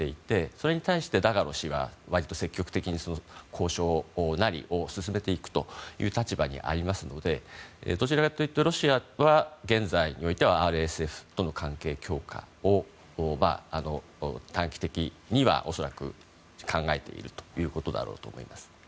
それに対して、ダガロ氏が割と積極的に交渉なりを進めていく立場にありますのでどちらかというとロシアは現在においてはＲＳＦとの関係強化を短期的には恐らく、考えているということだろうと思います。